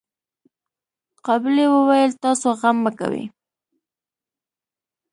قابلې وويل تاسو غم مه کوئ.